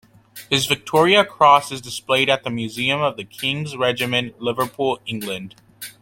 His Victoria Cross is displayed at the Museum of the King's Regiment, Liverpool, England.